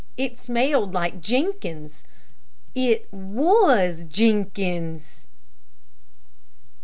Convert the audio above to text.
It smelled like Jenkins. It was Jenkins.